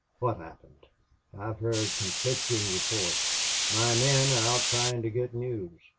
"What happened? I've heard conflicting reports. My men are out trying to get news.